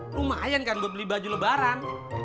lumayan kan buat beli baju lebaran